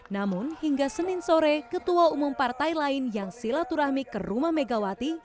namun hingga senin sore ketua umum partai lain yang silaturahmi ke rumah megawati